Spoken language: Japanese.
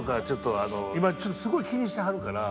今すごい気にしてはるから。